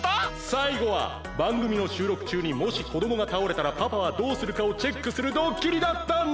最後はばんぐみのしゅうろくちゅうにもしこどもがたおれたらパパはどうするかをチェックするドッキリだったんです。